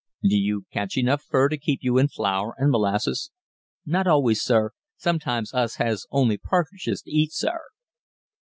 "Do you catch enough fur to keep you in flour and molasses?" "Not always, sir. Sometimes us has only partridges t' eat, sir."